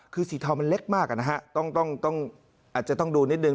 คือสีเทามันเล็กมากนะฮะต้องอาจจะต้องดูนิดนึ